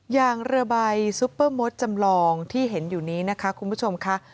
อย่างเรือใบซุปเปอร์มดจำลองที่เห็นอยู่นี้นะคะคุณผู้ชมค่ะ